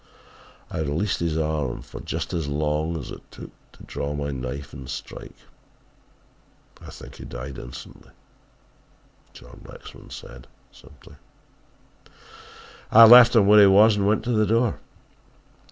"I released his arm for just as long as it took to draw my knife and strike. I think he died instantly," John Lexman said simply. "I left him where he was and went to the door.